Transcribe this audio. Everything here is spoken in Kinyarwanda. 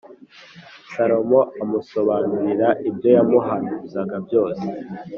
Salomo amusobanurira ibyo yamuhanuzaga byose